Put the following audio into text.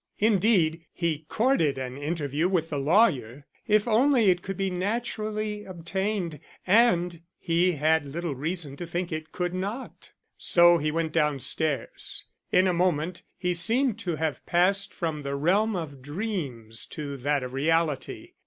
Indeed, he courted an interview with the lawyer, if only it could be naturally obtained; and he had little reason to think it could not. So he went down stairs. In a moment he seemed to have passed from the realm of dreams to that of reality.